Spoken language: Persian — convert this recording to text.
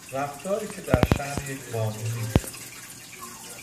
رفتاری که در شان یک بانو نیست